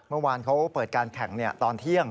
เมื่อวานเขาเปิดการแข่งตอนเที่ยง